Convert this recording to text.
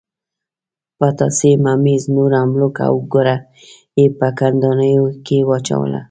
پتاسې، ممیز، تور املوک او ګوړه یې په کندانیو کې واچوله.